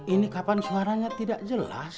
ini kapan suaranya tidak jelas